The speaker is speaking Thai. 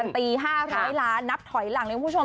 นี่การทฤติ๕๐๐ล้านนับถอยหลังเลยชม